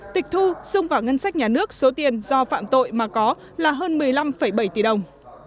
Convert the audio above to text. tịch thu xung vào ngân sách nhà nước số tiền do phạm tội mà có là hơn một mươi năm bảy tỷ đồng